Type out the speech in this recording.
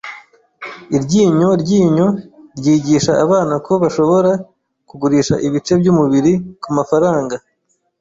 Iryinyo ryinyo ryigisha abana ko bashobora kugurisha ibice byumubiri kumafaranga.